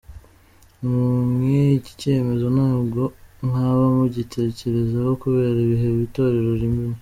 Mwe iki cyemezo ntabwo mwaba mugitekereza kubera ibihe itorero ririmo?.